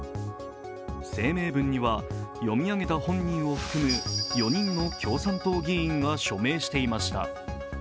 声明文には、読み上げた本人を含む４人の共産党議員が署名していました。